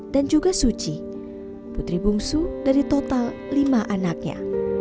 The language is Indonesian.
dan juga suci putri bungsu dari total lima anaknya